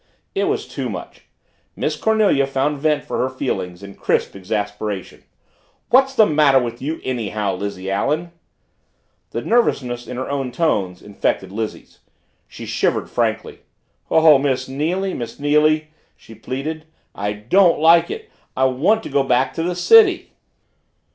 It was too much. Miss Cornelia found vent for her feelings in crisp exasperation. "What's the matter with you anyhow, Lizzie Allen?" The nervousness in her own tones infected Lizzie's. She shivered frankly. "Oh, Miss Neily Miss Neily!" she pleaded. "I don't like it! I want to go back to the city!"